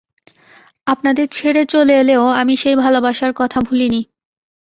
আপনাদের ছেড়ে চলে এলেও আমি সেই ভালবাসার কথা ভুলি নি।